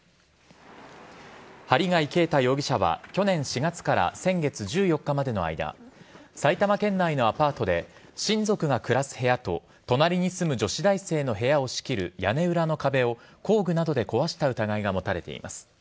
針谷啓太容疑者は去年４月から先月１４日までの間埼玉県内のアパートで親族が暮らす部屋と隣に住む女子大生の部屋を仕切る屋根裏の壁を工具などで壊した疑いが持たれています。